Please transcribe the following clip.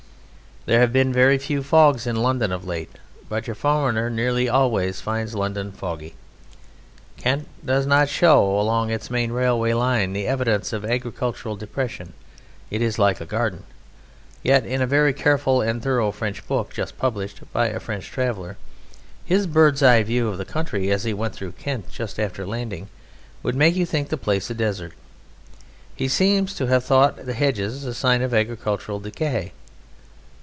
There have been very few fogs in London of late, but your foreigner nearly always finds London foggy. Kent does not show along its main railway line the evidence of agricultural depression: it is like a garden. Yet, in a very careful and thorough French book just published by a French traveller, his bird's eye view of the country as he went through Kent just after landing would make you think the place a desert; he seems to have thought the hedges a sign of agricultural decay.